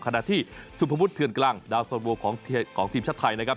ขณะที่สุพมพุทธเฉินกลางดาวซอลโวปของทีมชาติไทยนะครับ